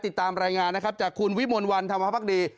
ติดตามรายงานนะครับจากคุณวิมลวันธรรมภักดี